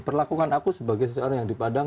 perlakukan aku sebagai seseorang yang dipadang